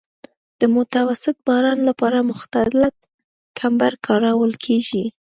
د متوسط باران لپاره مختلط کمبر کارول کیږي